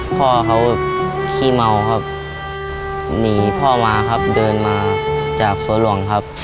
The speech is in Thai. พ่อเขาแบบขี้เมาครับหนีพ่อมาครับเดินมาจากสวนหลวงครับ